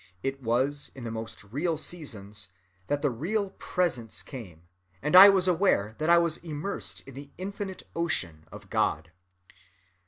It was in the most real seasons that the Real Presence came, and I was aware that I was immersed in the infinite ocean of God."